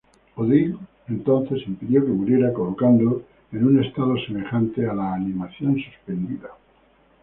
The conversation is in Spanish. Odín, entonces, impidió que muriera colocándolo en un estado semejante a la animación suspendida.